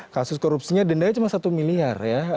kasus korupsinya dendanya cuma satu miliar ya